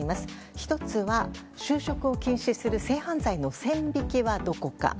１つは就職を禁止する性犯罪の線引きはどこか。